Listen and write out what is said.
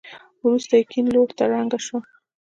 وروسته کيڼ لورته ړنګه شوه.